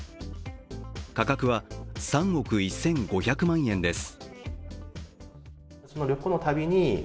価格は３億１５００万円です。